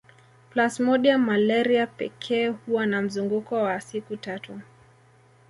Plasmodium malaria pekee huwa na mzunguko wa siku tatu